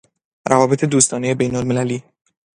روابط دوستانهی بین المللی